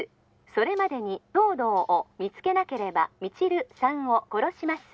☎それまでに東堂を見つけなければ☎未知留さんを殺します